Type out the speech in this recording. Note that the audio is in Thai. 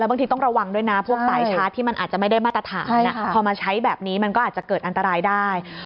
บางทีต้องระวังด้วยนะพวกสายชาร์จที่มันอาจจะไม่ได้มาตรฐานพอมาใช้แบบนี้มันก็อาจจะเกิดอันตรายได้